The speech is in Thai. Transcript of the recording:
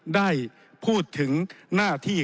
ได้พูดถึงหน้าที่